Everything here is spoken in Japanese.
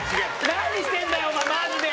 何してんだよ、マジで！